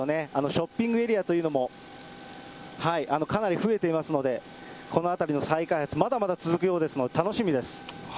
ショッピングエリアというのも、かなり増えていますので、この辺りの再開発、まだまだ続くようですので、楽しみです。